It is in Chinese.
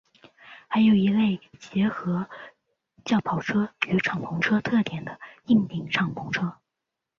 还有一类结合轿跑车与敞篷车特点的硬顶敞篷车。